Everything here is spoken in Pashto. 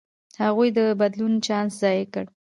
هغوی د بدلون چانس ضایع کړ.